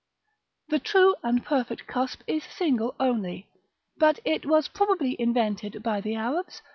§ VIII. The true and perfect cusp is single only. But it was probably invented (by the Arabs?)